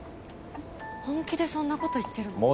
本気でそんな事言ってるの？